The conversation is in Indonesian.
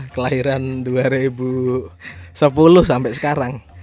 kelahiran dua ribu sepuluh sampai sekarang